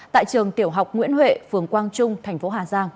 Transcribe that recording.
tại trường tiểu học nguyễn huệ phường quang trung thành phố hà giang